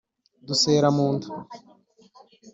dusera mu nda